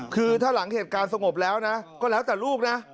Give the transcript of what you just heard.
คือถ้าหลังเหตุการณ์สงบแล้วนะก็แล้วแต่ลูกนะ